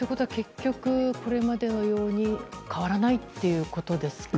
これまでのように変わらないということですか。